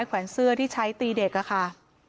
แวนเสื้อที่ใช้ตีเด็กค่ะ